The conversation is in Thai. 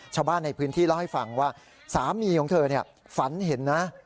ชาวบ้านในพื้นที่เล่าให้ฟังว่าสามีของเธอฝันเห็นนะ